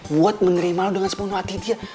buat menerima lo dengan sepenuh hati dia